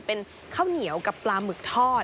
เป็นข้าวเหนียวกับปลาหมึกทอด